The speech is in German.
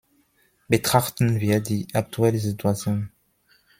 Betrachten wir die aktuelle Situation.